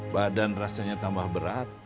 badan rasanya tambah berat